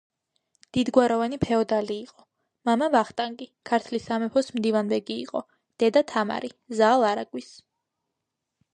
იდიდგვაროვანი ფეოდალი იყო. მამა — ვახტანგი, ქართლის სამეფოს მდივანბეგი იყო; დედა — თამარი, ზაალ არაგვის